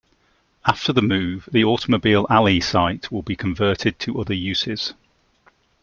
After the move, the Automobile Alley site will be converted to other uses.